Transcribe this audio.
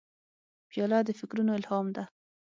پیاله د فکرونو الهام ده.